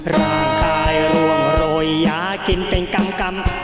ร่างกายร่วมโรยหยากินเป็นกำตำ